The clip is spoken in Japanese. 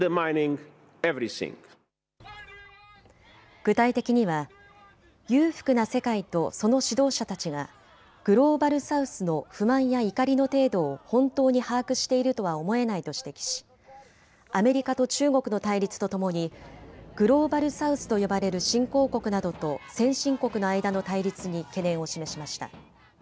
具体的には裕福な世界とその指導者たちがグローバル・サウスの不満や怒りの程度を本当に把握しているとは思えないと指摘しアメリカと中国の対立とともにグローバル・サウスと呼ばれる新興国などと先進国の間の対立に懸念を示しました。